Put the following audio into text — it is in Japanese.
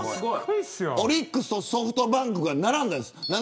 オリックスとソフトバンクが並んだんです。